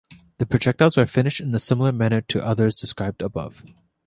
The projectiles were finished in a similar manner to others described above.